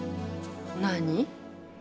何？